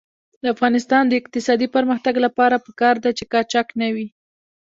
د افغانستان د اقتصادي پرمختګ لپاره پکار ده چې قاچاق نه وي.